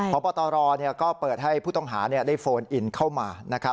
พบตรก็เปิดให้ผู้ต้องหาได้โฟนอินเข้ามานะครับ